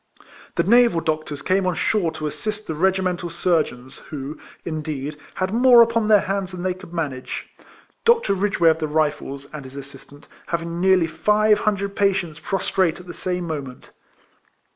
The naval doctors came on shore to assist the regimental surgeons, who, in deed, had more upon their hands than they could manage ; Dr. Ridgeway of the Rifles, and his assistant, having nearly five hundred patients prostrate at the same moment.